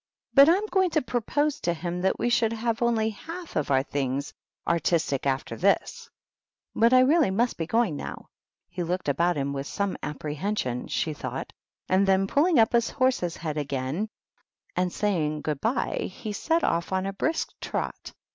" But I'm going to propose to him that we should have only fmlf of our things artistic after this. But I really must be going now." He looked about him with some apprehension, she thought, and then pulling up the horse's head again, and THE WHITE KNIGHT. 119 saying "Good by," he set off on a brisk trot.